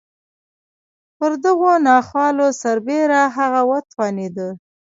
پر دغو ناخوالو سربېره هغه وتوانېده.